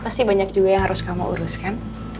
pasti banyak juga yang harus kamu uruskan